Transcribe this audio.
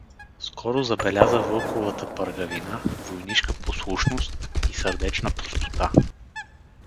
скоро забеляза Вълковата пъргавина, войнишка послушност и сърдечна простота.